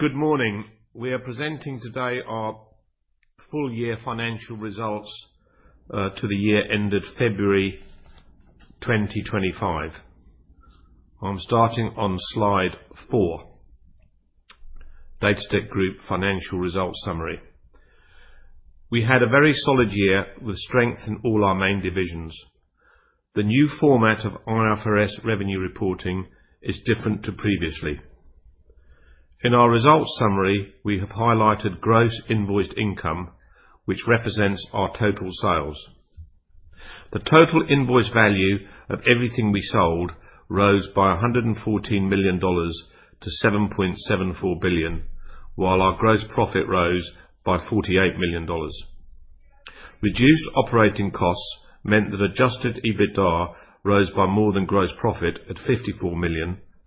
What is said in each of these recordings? Good morning. We are presenting today our full year financial results to the year ended February 2025. I'm starting on slide four. Datatec Group financial results summary. We had a very solid year with strength in all our main divisions. The new format of IFRS revenue reporting is different to previously. In our results summary, we have highlighted Gross Invoiced Income, which represents our total sales. The total invoice value of everything we sold rose by $114 million-$7.74 billion, while our gross profit rose by $48 million. Reduced operating costs meant that adjusted EBITDA rose by more than gross profit at $54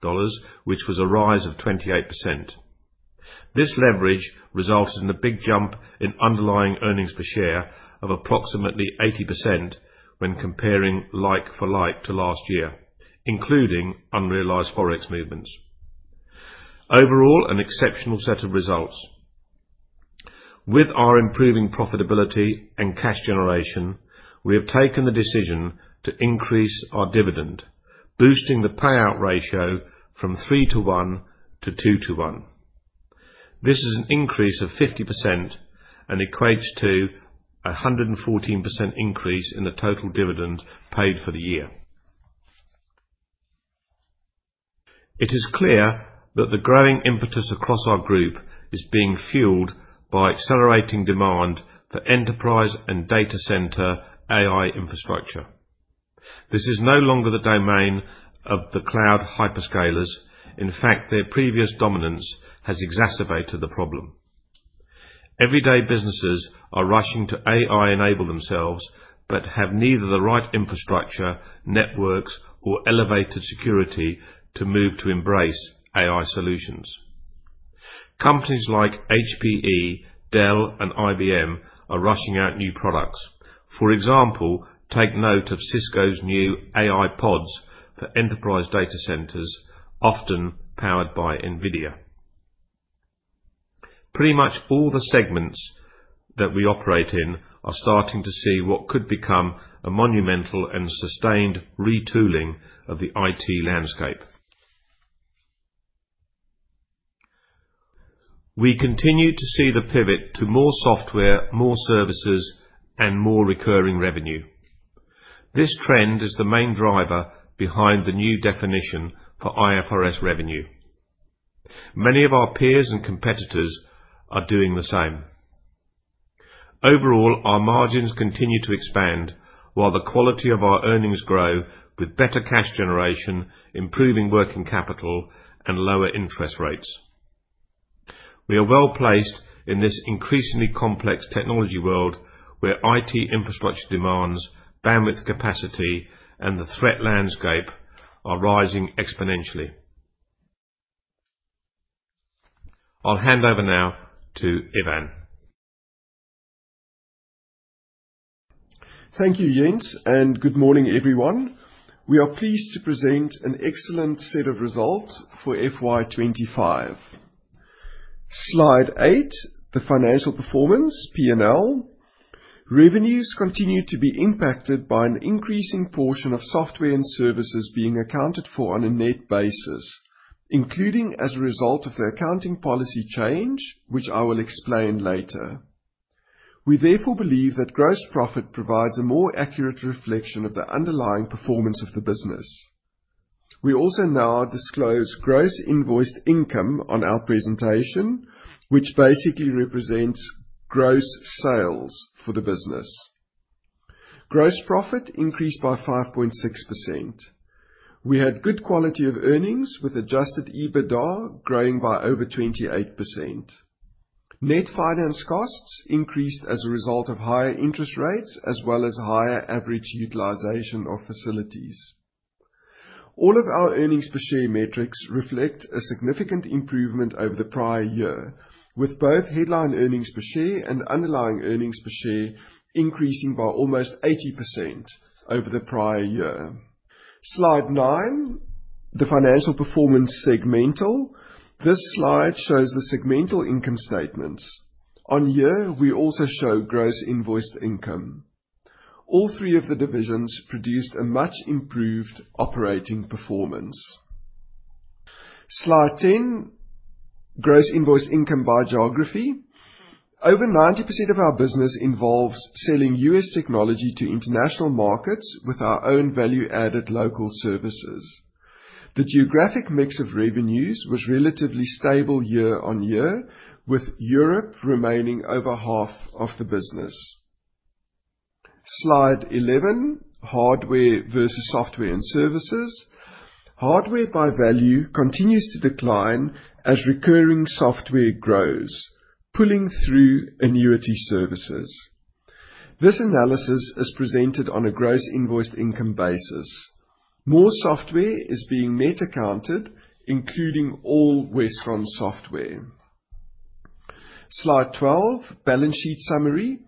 million, which was a rise of 28%. This leverage resulted in a big jump in underlying earnings per share of approximately 80% when comparing like for like to last year, including unrealized Forex movements. Overall, an exceptional set of results. With our improving profitability and cash generation, we have taken the decision to increase our dividend, boosting the payout ratio from 3:1 to 2:1. This is an increase of 50% and equates to a 114% increase in the total dividend paid for the year. It is clear that the growing impetus across our group is being fueled by accelerating demand for enterprise and data center AI infrastructure. This is no longer the domain of the cloud hyperscalers. In fact, their previous dominance has exacerbated the problem. Everyday businesses are rushing to AI enable themselves, but have neither the right infrastructure, networks, or elevated security to move to embrace AI solutions. Companies like HPE, Dell, and IBM are rushing out new products. For example, take note of Cisco's new AI PODs for enterprise data centers, often powered by NVIDIA. Pretty much all the segments that we operate in are starting to see what could become a monumental and sustained retooling of the IT landscape. We continue to see the pivot to more software, more services, and more recurring revenue. This trend is the main driver behind the new definition for IFRS revenue. Many of our peers and competitors are doing the same. Overall, our margins continue to expand while the quality of our earnings grow with better cash generation, improving working capital, and lower interest rates. We are well-placed in this increasingly complex technology world where IT infrastructure demands, bandwidth capacity, and the threat landscape are rising exponentially. I'll hand over now to Ivan. Thank you, Jens. Good morning, everyone. We are pleased to present an excellent set of results for FY 2025. Slide eight, the financial performance, P&L. Revenues continue to be impacted by an increasing portion of software and services being accounted for on a net basis, including as a result of the accounting policy change, which I will explain later. We therefore believe that gross profit provides a more accurate reflection of the underlying performance of the business. We also now disclose Gross Invoiced Income on our presentation, which basically represents gross sales for the business. Gross profit increased by 5.6%. We had good quality of earnings with adjusted EBITDA growing by over 28%. Net finance costs increased as a result of higher interest rates as well as higher average utilization of facilities. All of our earnings per share metrics reflect a significant improvement over the prior year, with both Headline Earnings Per Share and underlying earnings per share increasing by almost 80% over the prior year. Slide nine, the financial performance segmental. This slide shows the segmental income statements. On here, we also show Gross Invoiced Income. All three of the divisions produced a much improved operating performance. Slide 10, Gross Invoiced Income by geography. Over 90% of our business involves selling U.S. technology to international markets with our own value-added local services. The geographic mix of revenues was relatively stable year-on-year, with Europe remaining over half of the business. Slide 11, hardware versus software and services. Hardware by value continues to decline as recurring software grows, pulling through annuity services. This analysis is presented on a Gross Invoiced Income basis. More software is being net accounted, including all Westcon software. Slide 12, balance sheet summary.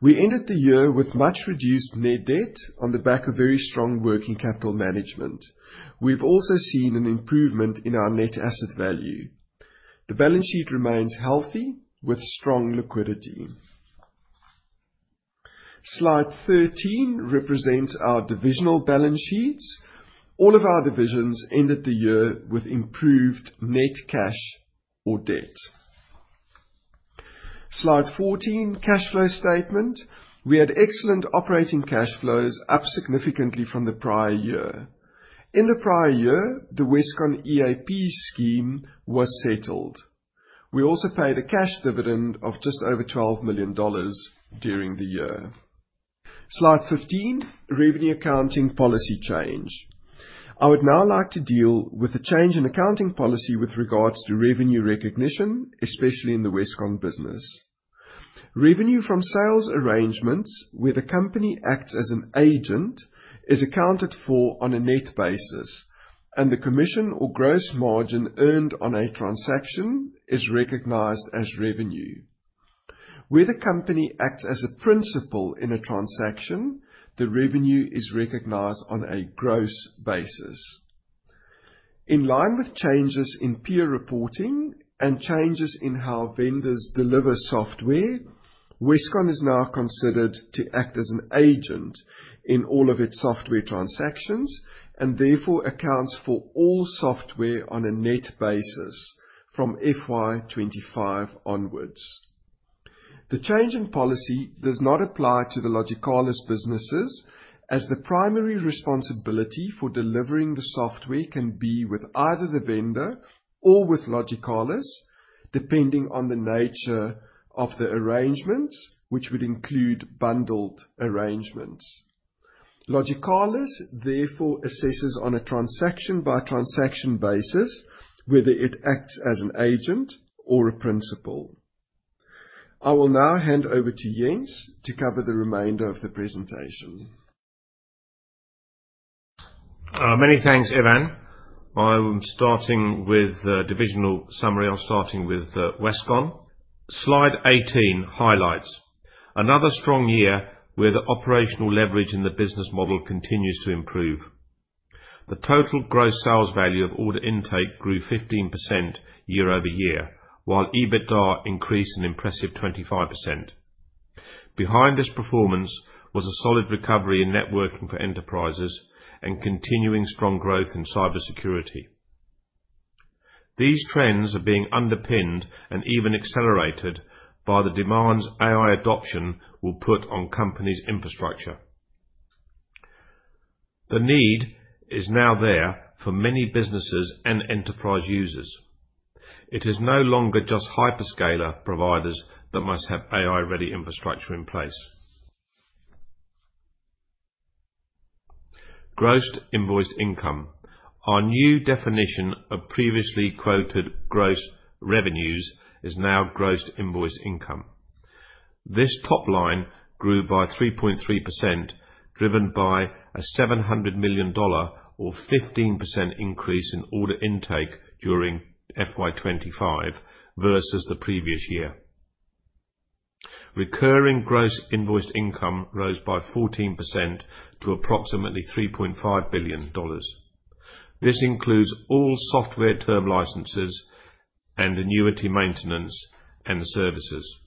We ended the year with much reduced net debt on the back of very strong working capital management. We've also seen an improvement in our net asset value. The balance sheet remains healthy with strong liquidity. Slide 13 represents our divisional balance sheets. All of our divisions ended the year with improved net cash or debt. Slide 14, cash flow statement. We had excellent operating cash flows up significantly from the prior year. In the prior year, the Westcon EAP scheme was settled. We also paid a cash dividend of just over $12 million during the year. Slide 15, revenue accounting policy change. I would now like to deal with the change in accounting policy with regards to revenue recognition, especially in the Westcon business. Revenue from sales arrangements where the company acts as an agent is accounted for on a net basis, and the commission or gross margin earned on a transaction is recognized as revenue. Where the company acts as a principal in a transaction, the revenue is recognized on a gross basis. In line with changes in peer reporting and changes in how vendors deliver software, Westcon is now considered to act as an agent in all of its software transactions and therefore accounts for all software on a net basis from FY 2025 onwards. The change in policy does not apply to the Logicalis businesses, as the primary responsibility for delivering the software can be with either the vendor or with Logicalis, depending on the nature of the arrangements, which would include bundled arrangements. Logicalis therefore assesses on a transaction-by-transaction basis whether it acts as an agent or a principal. I will now hand over to Jens to cover the remainder of the presentation. Many thanks, Ivan. I'm starting with the divisional summary. I'm starting with Westcon. Slide 18, highlights. Another strong year where the operational leverage in the business model continues to improve. The total gross sales value of order intake grew 15% year-over-year, while EBITDA increased an impressive 25%. Behind this performance was a solid recovery in networking for enterprises and continuing strong growth in cybersecurity. These trends are being underpinned and even accelerated by the demands AI adoption will put on companies' infrastructure. The need is now there for many businesses and enterprise users. It is no longer just hyperscaler providers that must have AI-ready infrastructure in place. Gross Invoiced Income. Our new definition of previously quoted gross revenues is now Gross Invoiced Income. This top line grew by 3.3%, driven by a $700 million or 15% increase in order intake during FY 2025 versus the previous year. Recurring Gross Invoiced Income rose by 14% to approximately $3.5 billion. This includes all software term licenses and annuity maintenance and services.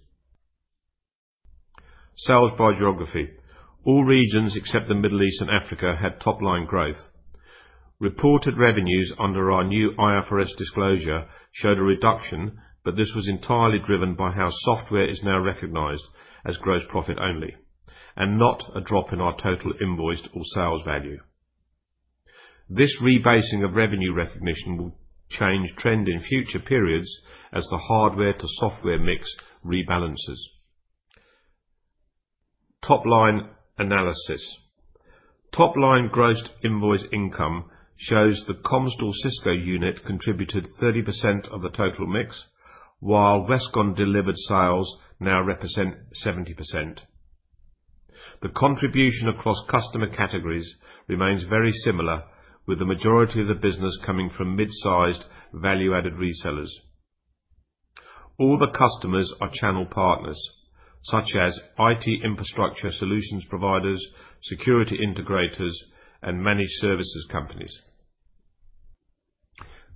Sales by geography. All regions except the Middle East and Africa had top-line growth. Reported revenues under our new IFRS disclosure showed a reduction, but this was entirely driven by how software is now recognized as gross profit only and not a drop in our total invoiced or sales value. This rebasing of revenue recognition will change trend in future periods as the hardware-to-software mix rebalances. Top-line analysis. Top-line Gross Invoiced Income shows the Comstor Cisco unit contributed 30% of the total mix, while Westcon delivered sales now represent 70%. The contribution across customer categories remains very similar, with the majority of the business coming from mid-sized value-added resellers. All the customers are channel partners, such as IT infrastructure solutions providers, security integrators, and managed services companies.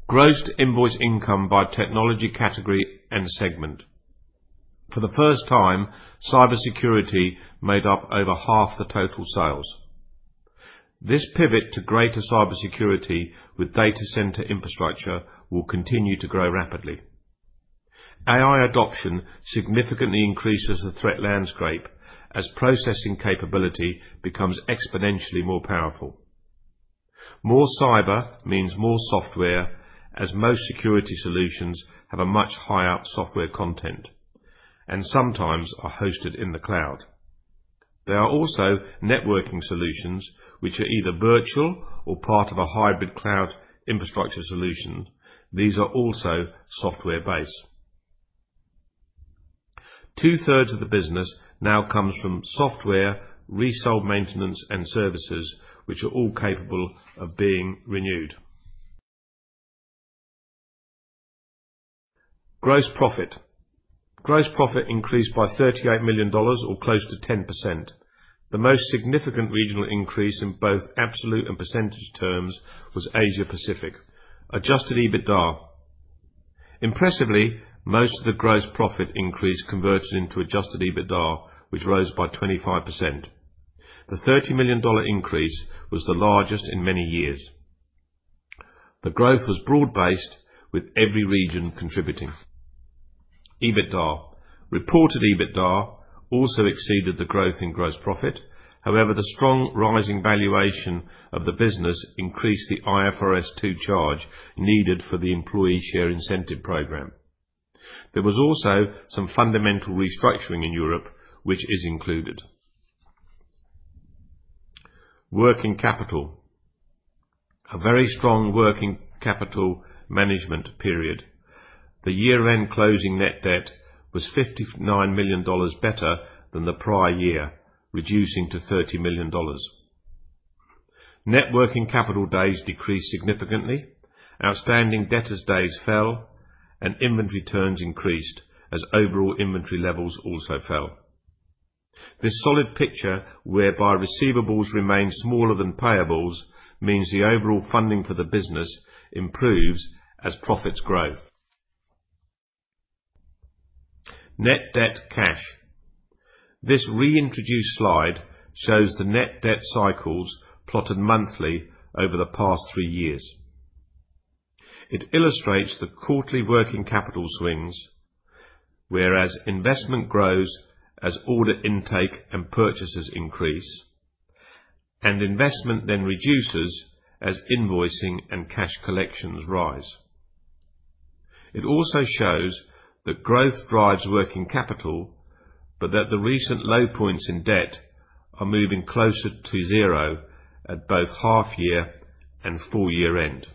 Gross Invoiced Income by technology category and segment. For the first time, cybersecurity made up over half the total sales. This pivot to greater cybersecurity with data center infrastructure will continue to grow rapidly. AI adoption significantly increases the threat landscape as processing capability becomes exponentially more powerful. More cyber means more software, as most security solutions have a much higher software content and sometimes are hosted in the cloud. There are also networking solutions which are either virtual or part of a hybrid cloud infrastructure solution. These are also software-based. 2/3 of the business now comes from software, resold maintenance, and services, which are all capable of being renewed. Gross profit. Gross profit increased by $38 million or close to 10%. The most significant regional increase in both absolute and percentage terms was Asia Pacific. Adjusted EBITDA. Impressively, most of the gross profit increase converted into adjusted EBITDA, which rose by 25%. The $30 million increase was the largest in many years. The growth was broad-based with every region contributing. EBITDA. Reported EBITDA also exceeded the growth in gross profit. However, the strong rise in valuation of the business increased the IFRS 2 charge needed for the employee share incentive program. There was also some fundamental restructuring in Europe, which is included. Working capital. A very strong working capital management period. The year-end closing net debt was $59 million better than the prior year, reducing to $30 million. Net working capital days decreased significantly. Outstanding debtors days fell, and inventory turns increased as overall inventory levels also fell. This solid picture whereby receivables remain smaller than payables means the overall funding for the business improves as profits grow. Net debt cash. This reintroduced slide shows the net debt cycles plotted monthly over the past three years. It illustrates the quarterly working capital swings, whereas investment grows as order intake and purchases increase, and investment then reduces as invoicing and cash collections rise. It also shows that growth drives working capital, but that the recent low points in debt are moving closer to zero at both half year and full year-end.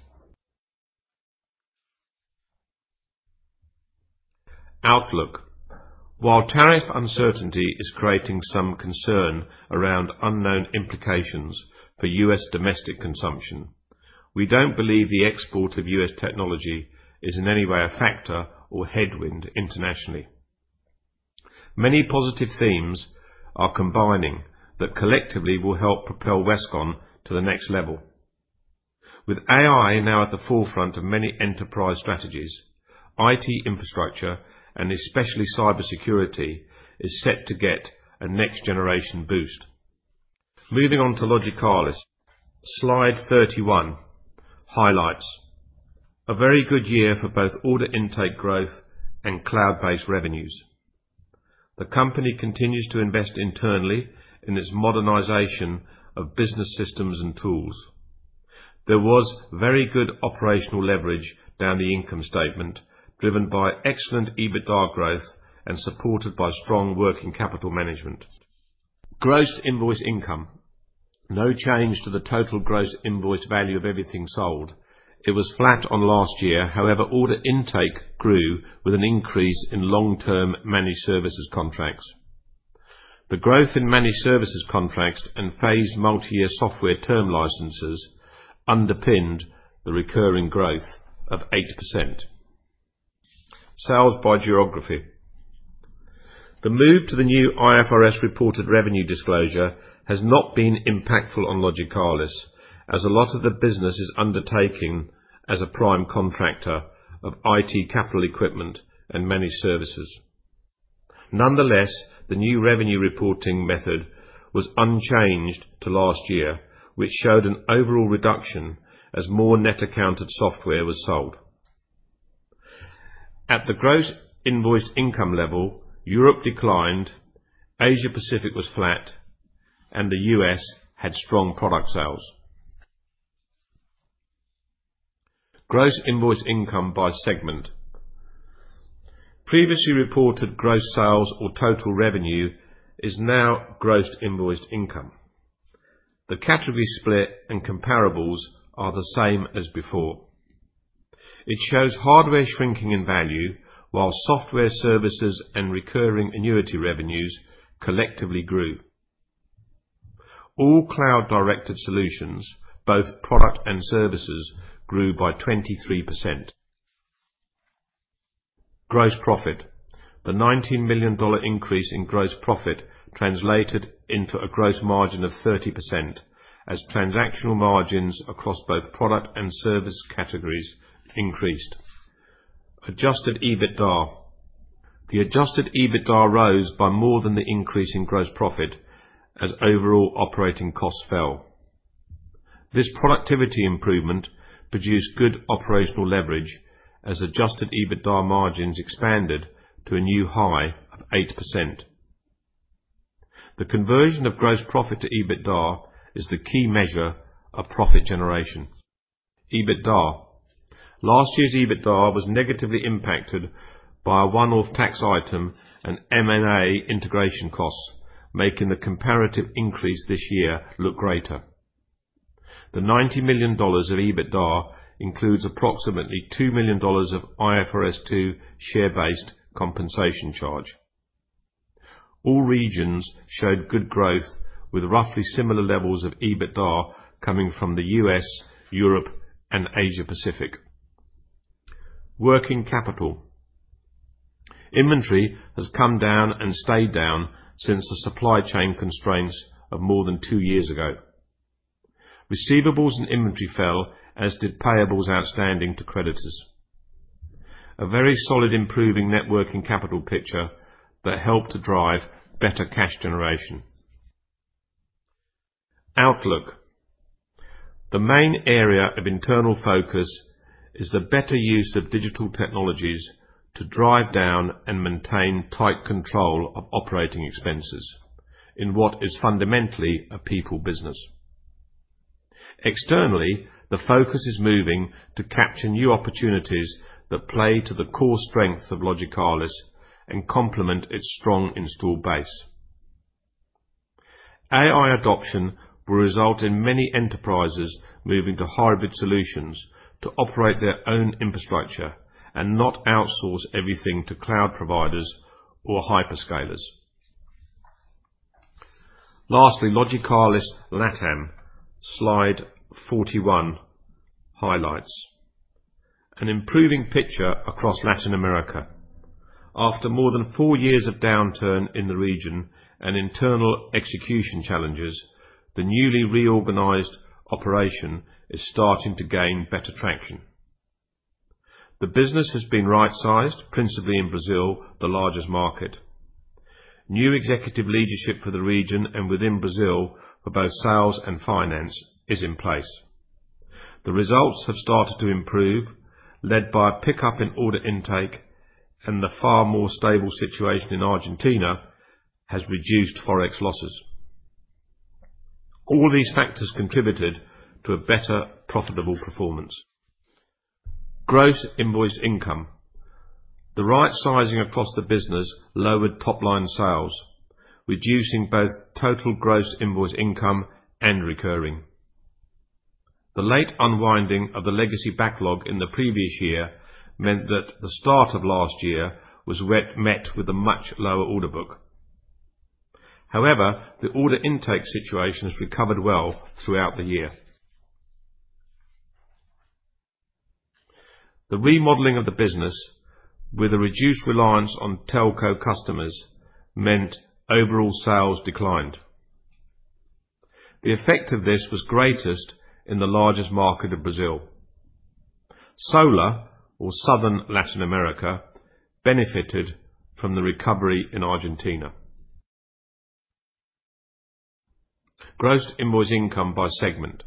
Outlook. While tariff uncertainty is creating some concern around unknown implications for U.S. domestic consumption, we don't believe the export of U.S. technology is in any way a factor or headwind internationally. Many positive themes are combining that collectively will help propel Westcon to the next level. With AI now at the forefront of many enterprise strategies, IT infrastructure, and especially cybersecurity, is set to get a next generation boost. Moving on to Logicalis. Slide 31, highlights. A very good year for both order intake growth and cloud-based revenues. The company continues to invest internally in its modernization of business systems and tools. There was very good operational leverage down the income statement, driven by excellent EBITDA growth and supported by strong working capital management. Gross Invoiced Income. No change to the total gross invoice value of everything sold. It was flat on last year. Order intake grew with an increase in long-term managed services contracts. The growth in managed services contracts and phased multi-year software term licenses underpinned the recurring growth of 8%. Sales by geography. The move to the new IFRS reported revenue disclosure has not been impactful on Logicalis, as a lot of the business is undertaking as a prime contractor of IT capital equipment and managed services. Nonetheless, the new revenue reporting method was unchanged to last year, which showed an overall reduction as more net accounted software was sold. At the gross invoiced income level, Europe declined, Asia Pacific was flat, and the U.S. had strong product sales. Gross invoiced income by segment. Previously reported gross sales or total revenue is now gross invoiced income. The category split and comparables are the same as before. It shows hardware shrinking in value while software services and recurring annuity revenues collectively grew. All cloud-directed solutions, both product and services, grew by 23%. Gross profit. The $90 million increase in gross profit translated into a gross margin of 30% as transactional margins across both product and service categories increased. Adjusted EBITDA. The adjusted EBITDA rose by more than the increase in gross profit as overall operating costs fell. This productivity improvement produced good operational leverage as adjusted EBITDA margins expanded to a new high of 8%. The conversion of gross profit to EBITDA is the key measure of profit generation. EBITDA. Last year's EBITDA was negatively impacted by a one-off tax item and M&A integration costs, making the comparative increase this year look greater. The $90 million of EBITDA includes approximately $2 million of IFRS 2 share-based compensation charge. All regions showed good growth with roughly similar levels of EBITDA coming from the U.S., Europe, and Asia Pacific. Working capital. Inventory has come down and stayed down since the supply chain constraints of more than two years ago. Receivables and inventory fell, as did payables outstanding to creditors. A very solid improving net working capital picture that helped to drive better cash generation. Outlook. The main area of internal focus is the better use of digital technologies to drive down and maintain tight control of operating expenses in what is fundamentally a people business. Externally, the focus is moving to capture new opportunities that play to the core strengths of Logicalis and complement its strong install base. AI adoption will result in many enterprises moving to hybrid solutions to operate their own infrastructure and not outsource everything to cloud providers or hyperscalers. Lastly, Logicalis LATAM, slide 41, highlights. An improving picture across Latin America. After more than four years of downturn in the region and internal execution challenges, the newly reorganized operation is starting to gain better traction. The business has been right-sized, principally in Brazil, the largest market. New executive leadership for the region and within Brazil for both sales and finance is in place. The results have started to improve, led by a pickup in order intake, and the far more stable situation in Argentina has reduced forex losses. All these factors contributed to a better profitable performance. Gross Invoiced Income. The right-sizing across the business lowered top-line sales, reducing both total Gross Invoiced Income and recurring. The late unwinding of the legacy backlog in the previous year meant that the start of last year was met with a much lower order book. The order intake situation has recovered well throughout the year. The remodeling of the business with a reduced reliance on Telco customers meant overall sales declined. The effect of this was greatest in the largest market of Brazil. SoLA or Southern Latin America benefited from the recovery in Argentina. Gross Invoiced Income by segment.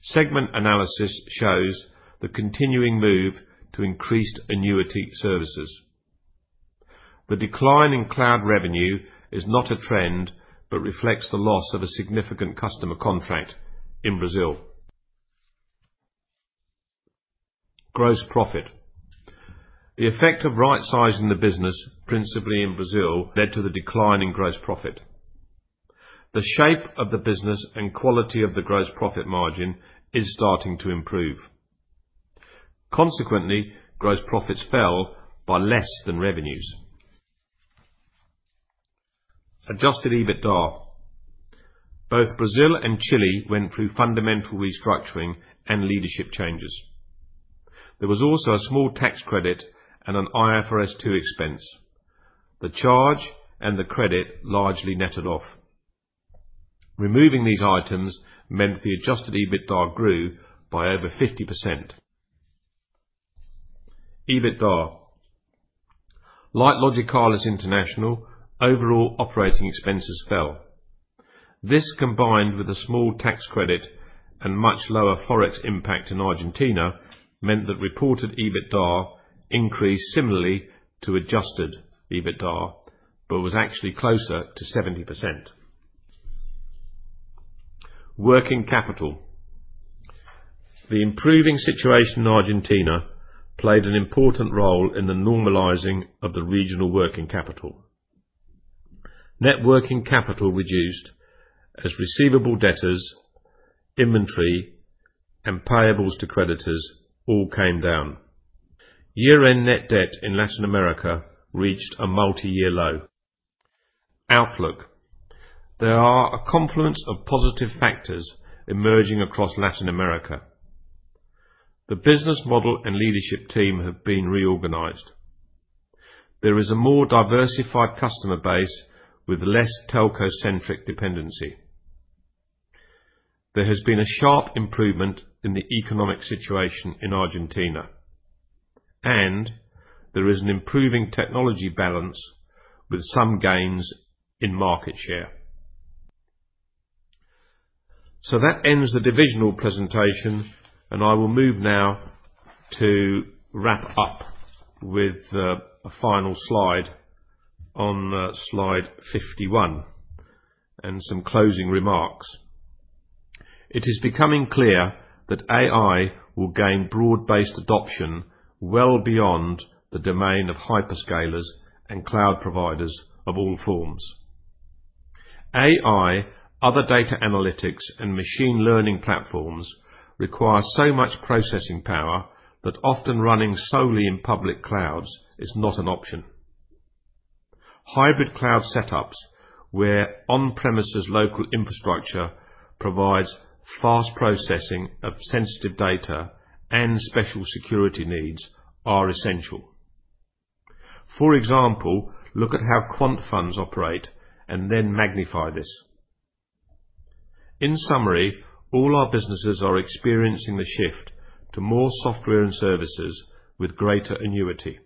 Segment analysis shows the continuing move to increased annuity services. The decline in cloud revenue is not a trend, but reflects the loss of a significant customer contract in Brazil. Gross profit. The effect of right-sizing the business, principally in Brazil, led to the decline in gross profit. The shape of the business and quality of the gross profit margin is starting to improve. Gross profits fell by less than revenues. Adjusted EBITDA. Both Brazil and Chile went through fundamental restructuring and leadership changes. There was also a small tax credit and an IFRS 2 expense. The charge and the credit largely netted off. Removing these items meant the adjusted EBITDA grew by over 50%. EBITDA. Like Logicalis International, overall operating expenses fell. This combined with a small tax credit and much lower Forex impact in Argentina, meant that reported EBITDA increased similarly to adjusted EBITDA, but was actually closer to 70%. Working capital. The improving situation in Argentina played an important role in the normalizing of the regional working capital. Net working capital reduced as receivable debtors, inventory, and payables to creditors all came down. Year-end net debt in Latin America reached a multi-year low. Outlook. There are a confluence of positive factors emerging across Latin America. The business model and leadership team have been reorganized. There is a more diversified customer base with less Telco-centric dependency. There has been a sharp improvement in the economic situation in Argentina, and there is an improving technology balance with some gains in market share. That ends the divisional presentation, and I will move now to wrap up with a final slide on slide 51 and some closing remarks. It is becoming clear that AI will gain broad-based adoption well beyond the domain of hyperscalers and cloud providers of all forms. AI, other data analytics and machine learning platforms require so much processing power that often running solely in public clouds is not an option. Hybrid cloud setups, where on-premises local infrastructure provides fast processing of sensitive data and special security needs are essential. For example, look at how quant funds operate and then magnify this. In summary, all our businesses are experiencing the shift to more software and services with greater annuity.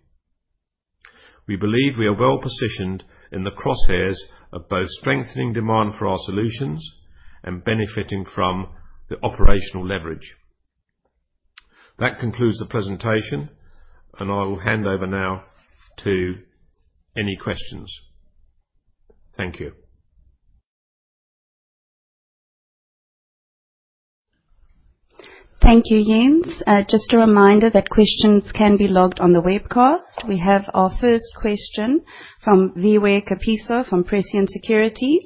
We believe we are well positioned in the crosshairs of both strengthening demand for our solutions and benefiting from the operational leverage. That concludes the presentation. I will hand over now to any questions. Thank you. Thank you, Jens. Just a reminder that questions can be logged on the webcast. We have our first question from Viwe Kapisa from Prescient Securities.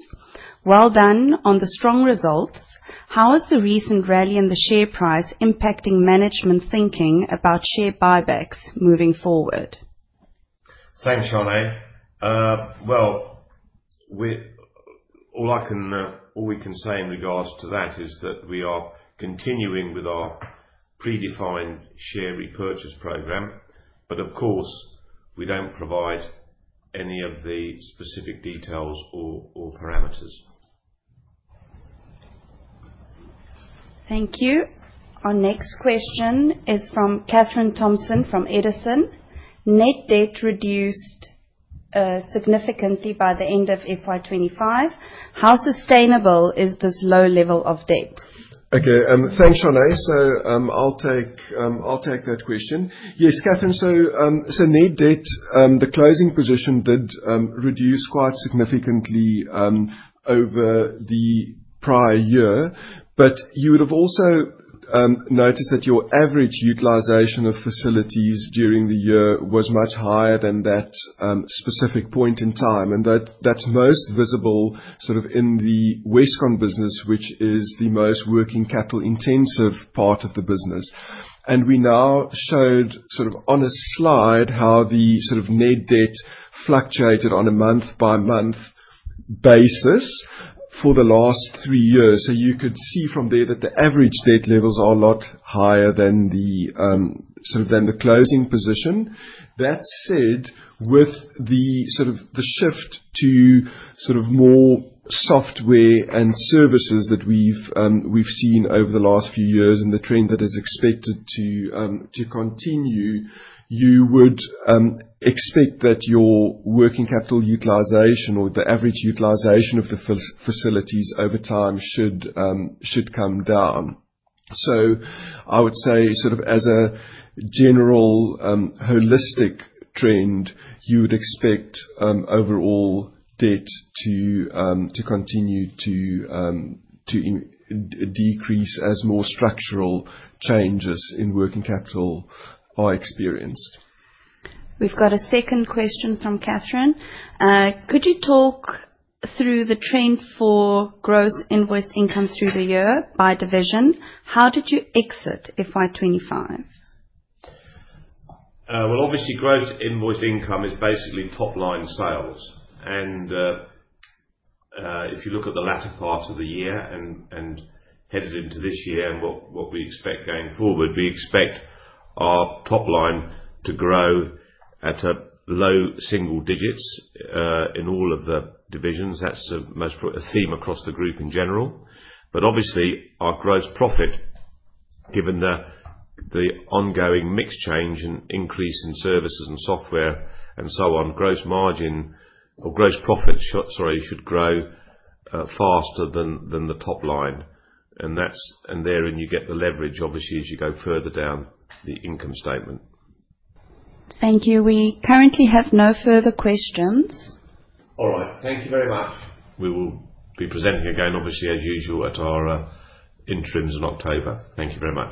Well done on the strong results. How is the recent rally in the share price impacting management thinking about share buybacks moving forward? Thanks, Charlie. Well, all we can say in regards to that is that we are continuing with our predefined share repurchase program. Of course, we don't provide any of the specific details or parameters. Thank you. Our next question is from Katherine Thompson from Edison. Net debt reduced significantly by the end of FY 2025. How sustainable is this low level of debt? Okay, thanks, Charlie. I'll take that question. Yes, Katherine. Net debt, the closing position did reduce quite significantly over the prior year. You would have also noticed that your average utilization of facilities during the year was much higher than that specific point in time. That's most visible sort of in the Westcon business, which is the most working capital intensive part of the business. We now showed sort of on a slide how the sort of net debt fluctuated on a month-by-month basis for the last three years. You could see from there that the average debt levels are a lot higher than the sort of than the closing position. That said, with the sort of the shift to sort of more software and services that we've seen over the last few years and the trend that is expected to continue, you would expect that your working capital utilization or the average utilization of the facilities over time should come down. I would say sort of as a general, holistic trend, you would expect overall debt to continue to decrease as more structural changes in working capital are experienced. We've got a second question from Katherine. Could you talk through the trend for Gross Invoiced Income through the year by division? How did you exit FY 2025? Well, obviously Gross Invoiced Income is basically top-line sales. If you look at the latter part of the year and headed into this year and what we expect going forward, we expect our top line to grow at a low single digits in all of the divisions. That's the most a theme across the group in general. Obviously our gross profit, given the ongoing mix change and increase in services and software and so on, gross margin or gross profit should grow faster than the top line. Therein you get the leverage, obviously, as you go further down the income statement. Thank you. We currently have no further questions. All right. Thank you very much. We will be presenting again, obviously, as usual at our interims in October. Thank you very much.